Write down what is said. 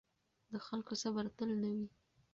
د خلکو صبر تل نه وي